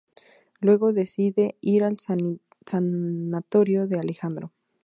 Luego, decide ir al sanatorio de Alejandro.